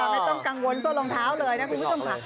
ไม่ต้องกังวลโซ่รองเท้าเลยนะคุณผู้ชมค่ะ